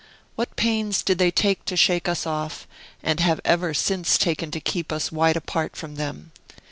What pains did they take to shake us off, and have ever since taken to keep us wide apart from them!